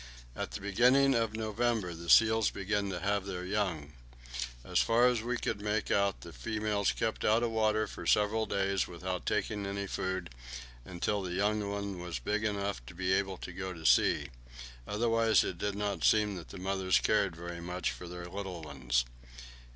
About the beginning of November the seals began to have their young. So far as we could make out, the females kept out of the water for several days without taking any food, until the young one was big enough to be able to go to sea; otherwise, it did not seem that the mothers cared very much for their little ones.